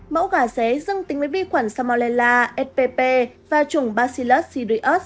mẫu gà xé dương tính với vi khuẩn samolella spp và trùng bacillus cereus